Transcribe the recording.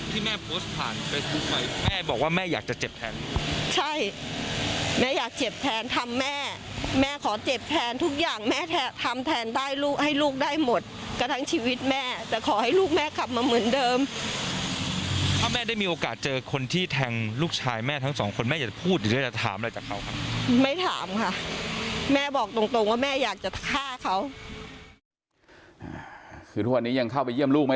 ที่แม่โพสต์ผ่านไปทุกคนแม่บอกว่าแม่อยากจะเจ็บแทนใช่แม่อยากเจ็บแทนทำแม่แม่ขอเจ็บแทนทุกอย่างแม่แทนทำแทนได้ลูกให้ลูกได้หมดกระทั้งชีวิตแม่แต่ขอให้ลูกแม่กลับมาเหมือนเดิมถ้าแม่ได้มีโอกาสเจอคนที่แทงลูกชายแม่ทั้งสองคนแม่จะพูดหรือจะถามอะไรจากเขาค่ะไม่ถามค่ะแม่บอกตรงตรงว่